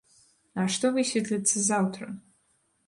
А што высветліцца заўтра?